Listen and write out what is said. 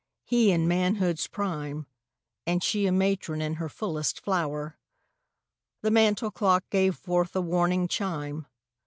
He in manhood's prime And she a matron in her fullest flower. The mantel clock gave forth a warning chime.